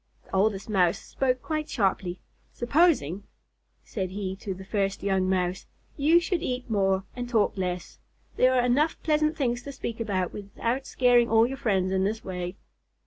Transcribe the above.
The Oldest Mouse spoke quite sharply. "Supposing," said he to the first young Mouse, "you should eat more and talk less. There are enough pleasant things to speak about without scaring all your friends in this way."